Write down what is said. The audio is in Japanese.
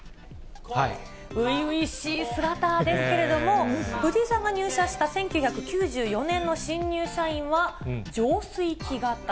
初々しい姿ですけれども、藤井さんが入社した１９９４年の新入社員は、浄水器型。